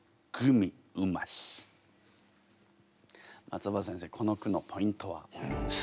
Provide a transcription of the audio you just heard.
松尾葉先生この句のポイントは？